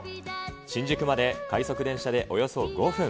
新宿まで快速電車でおよそ５分。